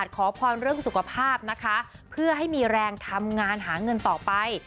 สุขภาพนะคะเพื่อให้มีแรงทำงานหาเงินต่อไป